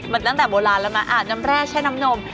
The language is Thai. เหมือนตั้งแต่โบราณแล้วนะอ่ะน้ำแร่ใช่น้ำนม